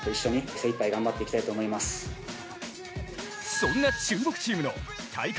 そんな注目チームの大会